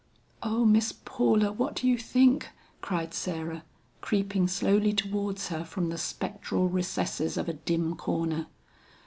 "O Miss Paula, what do you think?" cried Sarah, creeping slowly towards her from the spectral recesses of a dim corner.